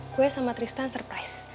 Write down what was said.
gue sama tristan surprise